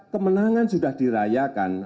kemenangan sudah dirayakan